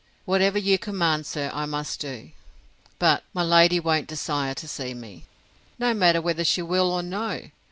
Whatever you command, sir, I must do. But my lady won't desire to see me. No matter whether she will or no.